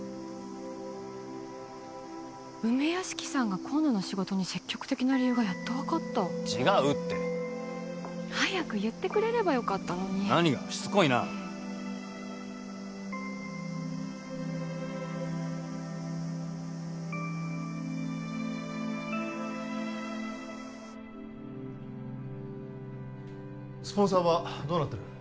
梅屋敷さんが今度の仕事に積極的な理由がやっと分かった違うって早く言ってくれればよかったのに何がしつこいなスポンサーはどうなってる？